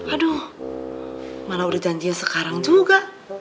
aduh mana udah janjinya sekarang juga